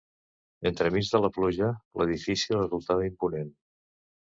Entremig de la pluja, l'edifici resultava imponent.